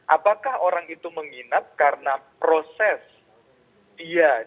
apakah orang itu menginap karena proyek